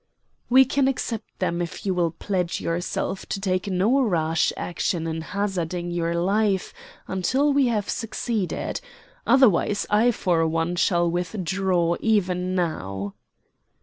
"We can accept them if you will pledge yourself to take no rash action in hazarding your life until we have succeeded. Otherwise I for one shall withdraw, even now."